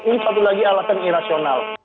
ini satu lagi alasan irasional